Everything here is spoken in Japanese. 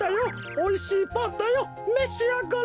おいしいパンだよめしあがれ！